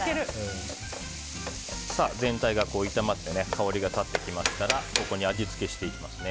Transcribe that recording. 全体が炒まって香りが立ってきましたらここに味付けしていきます。